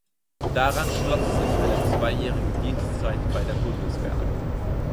Daran schloss sich eine zweijährige Dienstzeit bei der Bundeswehr an.